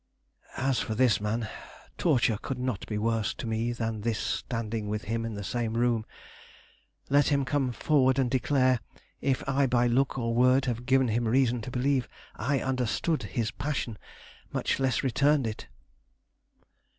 As for this man torture could not be worse to me than this standing with him in the same room let him come forward and declare if I by look or word have given him reason to believe I understood his passion, much less returned it."